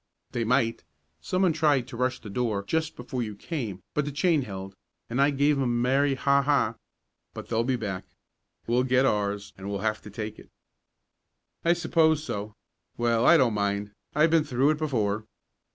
"They might. Someone tried to rush the door just before you came, but the chain held and I gave 'em the merry ha ha! But they'll be back we'll get ours and we'll have to take it." "I suppose so. Well, I don't mind. I've been through it before."